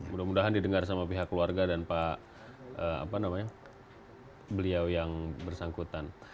mudah mudahan didengar sama pihak keluarga dan beliau yang bersangkutan